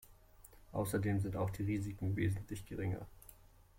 Außerdem sind auch die Risiken wesentlich geringer.